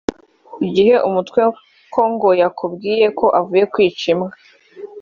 ugihe umutwe ko ngo yakubwiye ko avuye kwica imbwa